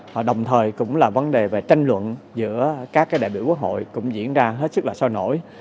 và đồng thời cũng là vấn đề về tranh luận giữa các đại biểu quốc hội cũng diễn ra hết sức là sôi nổi